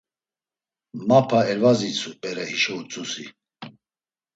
Mapa elvazitsu bere hişo utzusi.